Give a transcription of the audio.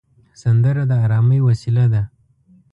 سندره د ارامۍ وسیله ده